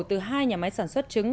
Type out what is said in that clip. từ hai nhà máy sản xuất trứng